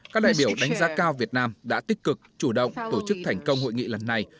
các đại biểu đánh giá cao việt nam đã tích cực chủ động tổ chức thành công hội nghị lần này